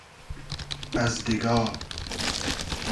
از دیگا